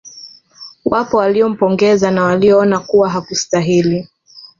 Wapo walio mpongeza na walioona kuwa hakustahili